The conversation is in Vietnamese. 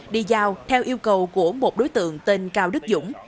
đi giao theo yêu cầu của một đối tượng tên cao đức dũng